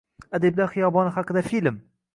Adiblar xiyoboni haqida film